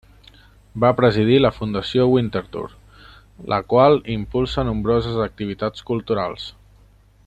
Va presidir la Fundació Winterthur, la qual impulsa nombroses activitats culturals.